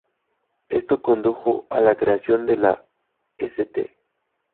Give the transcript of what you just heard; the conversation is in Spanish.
Esto condujo a la creación de la "St.